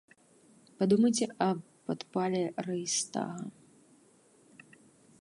Падумайце аб падпале рэйхстага.